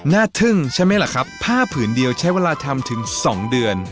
ทึ่งใช่ไหมล่ะครับผ้าผืนเดียวใช้เวลาทำถึง๒เดือน